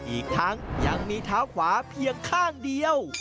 อีกทั้งยังมีเท้าขวาเพียงข้างเดียว